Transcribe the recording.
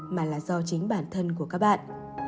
mà là do chính bản thân của các bạn